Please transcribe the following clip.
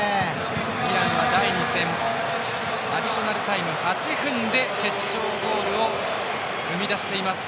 イランは第２戦アディショナルタイム８分で決勝ゴールを生み出しています。